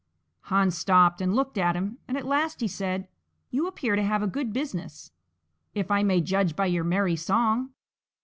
Hans stopped and looked at him, and at last he said, "You appear to have a good business, if I may judge by your merry song?"